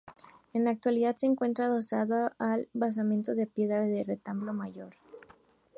En la actualidad se encuentra adosado al basamento de piedra del retablo mayor.